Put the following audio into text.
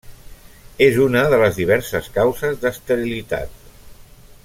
És una de les diverses causes d'esterilitat.